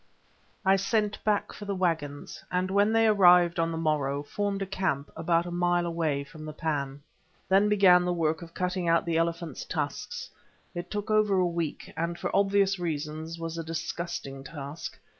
I sent back for the waggons, and when they arrived on the morrow, formed a camp, about a mile away from the pan. Then began the work of cutting out the elephants' tusks; it took over a week, and for obvious reasons was a disgusting task.